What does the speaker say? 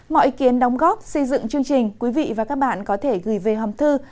mọi ý kiến đóng góp xây dựng chương trình quý vị và các bạn có thể gửi về hòm thư